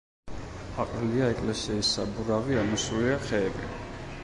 აყრილია ეკლესიის საბურავი, ამოსულია ხეები.